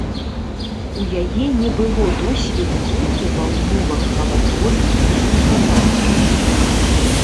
У яе не было досведу руху ва ўмовах галалёду і снегападу.